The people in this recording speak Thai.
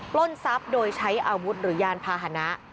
ปล้นทรัพย์โดยใช้อาวุธหรือยานพาหนะ